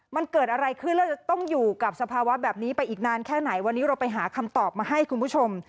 มันเกิดอะไรขึ้นแล้วจะต้องอยู่กับสภาวะแบบนี้ไปอีกนานแค่ไหนวันนี้เราไปหาคำตอบมาให้คุณผู้ชม